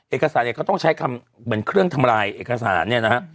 เอกสารเนี่ยเขาต้องใช้คำเหมือนเครื่องทำลายเอกสารเนี่ยนะฮะ